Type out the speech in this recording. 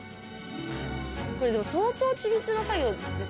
これでも相当緻密な作業ですよね。